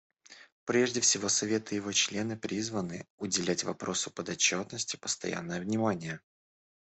Прежде всего Совет и его члены призваны уделять вопросу подотчетности постоянное внимание.